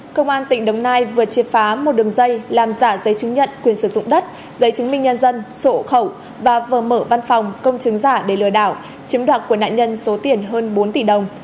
công an tỉnh đồng nai vừa triệt phá một đường dây làm giả giấy chứng nhận quyền sử dụng đất giấy chứng minh nhân dân sổ khẩu và vừa mở văn phòng công chứng giả để lừa đảo chiếm đoạt của nạn nhân số tiền hơn bốn tỷ đồng